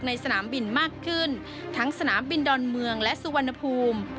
สนามบินมากขึ้นทั้งสนามบินดอนเมืองและสุวรรณภูมิ